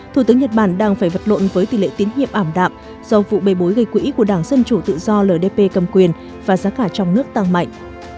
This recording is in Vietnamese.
thủ tướng nhật bản đang phải vật lộn với tỷ lệ tiến hiệp ảm đạm do vụ bê bối gây quỹ của đảng dân chủ tự do ldp cầm quyền và giá cả trong nước tăng mạnh